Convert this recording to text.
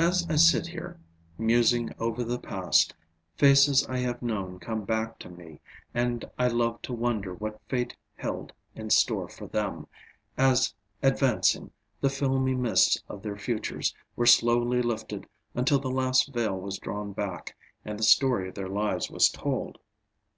As I sit here musing over the past, faces I have known come back to me and I love to wonder what fate held in store for them, as advancing, the filmy mists of their futures were slowly lifted until the last veil was drawn back and the story of their lives was told.